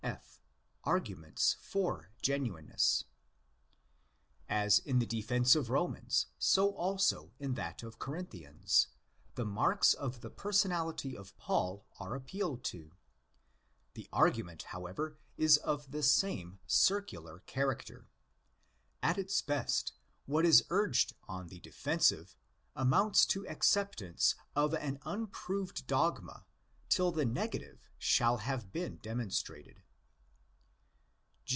F'.—Arguments for Genuineness. As in the defence of Romans, so also in that of Corinthians, the marks of the personality of Paul are appealed to. The argument, however, is of the same circular character. At its best, what is urged on the defensive amounts to acceptance of an unproved dogma till the negative shall have been demonstrated.